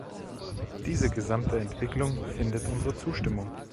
Diese gesamte Entwicklung findet unsere Zustimmung.